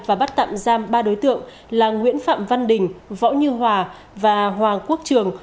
và bắt tạm giam ba đối tượng là nguyễn phạm văn đình võ như hòa và hoàng quốc trường